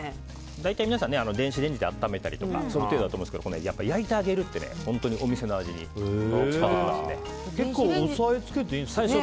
大体皆さん電子レンジで温めたりする程度だと思うんですがやっぱり焼いてあげるって結構押さえつけていいんですね。